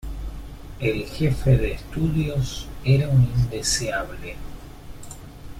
El jefe de estudios era un indeseable.